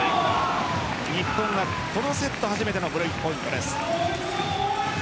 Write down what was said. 日本がこのセット初めてのブレークポイントです。